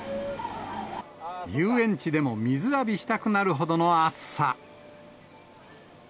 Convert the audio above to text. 遊園地でも水浴びしたくなるほどの暑さ。